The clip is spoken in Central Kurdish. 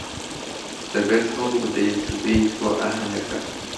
دەبێت هەوڵ بدەیت و بێیت بۆ ئاهەنگەکە.